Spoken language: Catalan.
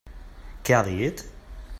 Què ha dit?